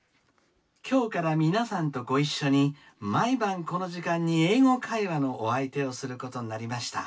今日から皆さんとご一緒に毎晩この時間に『英語会話』のお相手をすることになりました。